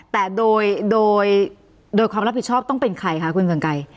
แต่โดยโดยความรับผิดชอบต้องเป็นใครคะคุณเรืองไกร